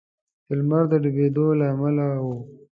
د لمر د ډبېدو له امله و.